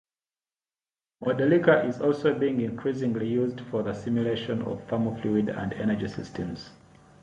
Modelica is also being increasingly used for the simulation of thermo-fluid and energy systems.